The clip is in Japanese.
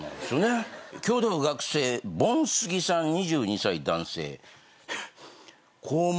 東京都学生凡杉さん２２歳男性。